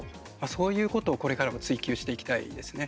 そういうことを、これからも追求していきたいですね。